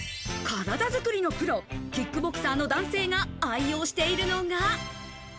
体作りのプロ、キックボクサーの男性が愛用しているのが。